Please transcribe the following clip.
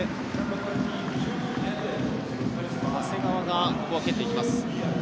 長谷川がここは蹴っていきます。